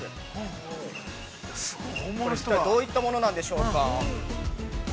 ◆どういったものなんでしょうか。